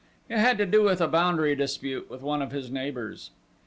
It had to do with a boundary dispute with one of his neighbors.